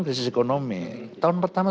krisis ekonomi tahun pertama